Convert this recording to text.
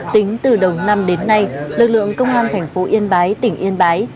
tính từ đầu năm đến nay lực lượng công an thành phố yên bái tỉnh yên bái